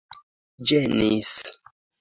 ĝenis